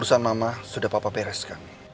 urusan mama sudah papa peres kami